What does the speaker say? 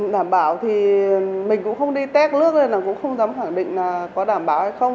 đảm bảo thì mình cũng không đi tét lước nên là cũng không dám khẳng định là có đảm bảo hay không